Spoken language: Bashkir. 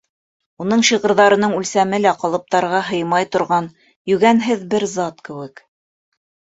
Уның шиғырҙарының үлсәме лә ҡалыптарға һыймай торған йүгәнһеҙ бер зат кеүек.